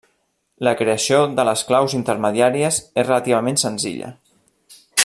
La creació de les claus intermediàries és relativament senzilla.